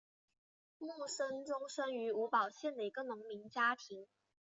慕生忠生于吴堡县的一个农民家庭。